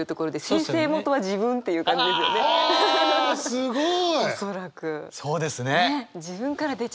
すごい。